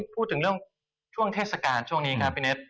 พูดถึงเรื่องช่วงเทศกาลช่วงนี้ครับพี่เน็ต